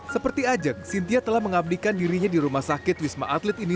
seperti ajeng sintia telah mengabdikan dirinya di rumah sakit wisma atlet ini